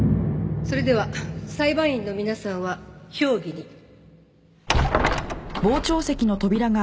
それでは裁判員の皆さんは評議に。